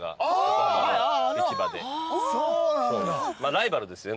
ライバルですね